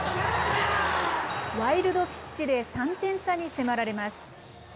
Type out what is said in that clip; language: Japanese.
ワイルドピッチで３点差に迫られます。